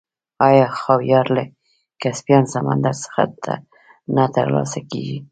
آیا خاویار له کسپین سمندر څخه نه ترلاسه کیږي؟